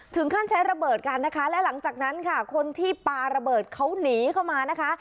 ใช้ระเบิดกันนะคะและหลังจากนั้นค่ะคนที่ปลาระเบิดเขาหนีเข้ามานะคะ